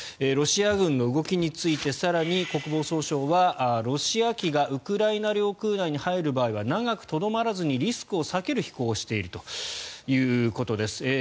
ロシア軍の動きについて更に国防省はロシア機がウクライナ領空内に入る場合は長くとどまらずにリスクを避ける飛行をしているということです。